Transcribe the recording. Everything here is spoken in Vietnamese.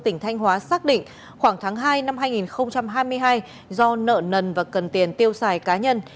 tỉnh thanh hóa xác định khoảng tháng hai năm hai nghìn hai mươi hai do nợ nần và cần tiền tiêu xài cá nhân